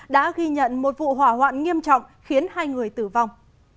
đã ghi nhận một vụ hỏa hoạn nghiêm trọng khiến hai người tử vong